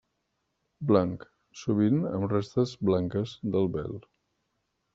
Blanc, sovint amb restes blanques del vel.